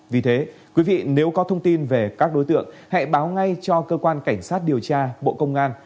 vì thế quý vị nếu có thông tin về các đối tượng hãy báo ngay cho cơ quan cảnh sát điều tra bộ công an